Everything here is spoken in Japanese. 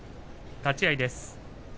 立ち合いです。